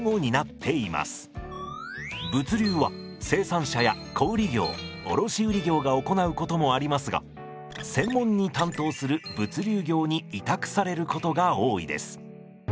物流は生産者や小売業卸売業が行うこともありますが専門に担当する物流業に委託されることが多いです。